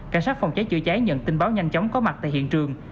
cảnh sát phòng cháy chữa cháy nhận tin báo nhanh chóng có mặt tại hiện trường